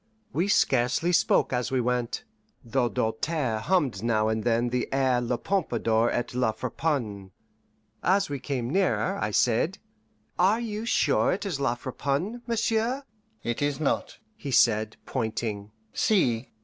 We scarcely spoke as we went, though Doltaire hummed now and then the air La Pompadour et La Friponne. As we came nearer I said, "Are you sure it is La Friponne, monsieur?" "It is not," he said, pointing. "See!"